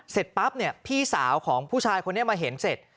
เสร็จปั๊บเนี่ยพี่สาวของผู้ชายคนนี้มาเห็นเสร็จ